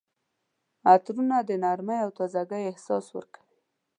عطرونه د نرمۍ او تازګۍ احساس ورکوي.